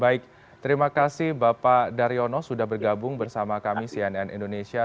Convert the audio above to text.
baik terima kasih bapak daryono sudah bergabung bersama kami cnn indonesia